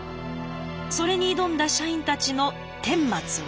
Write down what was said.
それに挑んだ社員たちの顛末は。